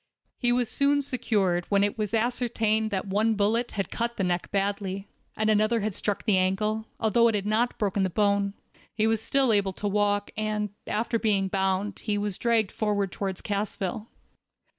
He was soon secured, when it was ascertained that one bullet had cut the neck badly, and another had struck the ankle, although it had not broken the bone. He was still able to walk, and, after being bound, he was dragged forward toward Cassville.